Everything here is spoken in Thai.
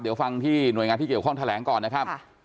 เดี๋ยวฟังที่หน่วยงานที่เกี่ยวข้องแถลงก่อนนะครับ